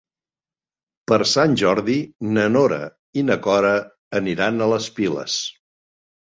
Per Sant Jordi na Nora i na Cora aniran a les Piles.